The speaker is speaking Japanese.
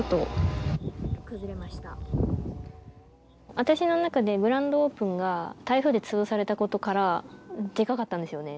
私の中でグランドオープンが台風で潰されたことからデカかったんですよね